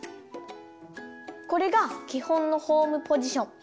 これがきほんのホームポジション。